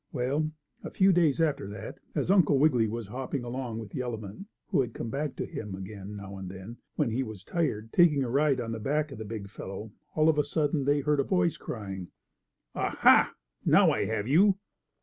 Well, a few days after that, as Uncle Wiggily was hopping along with the elephant, who had come back to him again, now and then, when he was tired, taking a ride on the back of the big fellow, all of a sudden they heard a voice crying: "Ah, ha! Now I have you!"